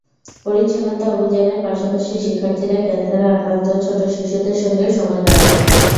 পরিচ্ছন্নতা অভিযানের পাশাপাশি শিক্ষার্থীরা ক্যানসারে আক্রান্ত ছোট শিশুদের সঙ্গেও সময় কাটায়।